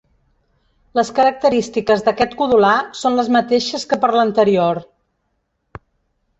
Les característiques d'aquest codolar són les mateixes que per l'anterior.